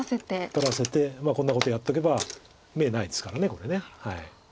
取らせてこんなことやっとけば眼ないですからこれ。